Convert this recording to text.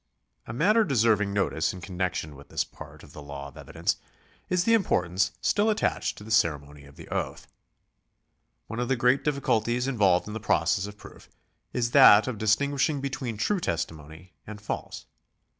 ^ A matter deserving notice in connexion with this part of the law of evidence is the importance still attached to the ceremony of the oath. One of the great difficulties involved in the process of proof is that of distinguishing between true testimony and false.